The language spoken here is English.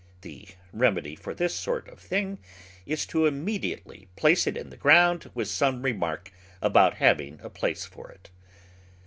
The remedy for this sort of thing is to immediately place it in the ground with some remark about having a place for it.